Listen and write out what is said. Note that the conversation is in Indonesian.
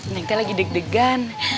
neng teh lagi deg degan